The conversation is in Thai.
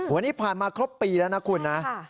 วันนี้ผ่านมาครบปีแล้วนะคุณนะ